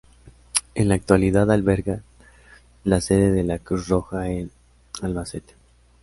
En la actualidad alberga la sede de la Cruz Roja en Albacete.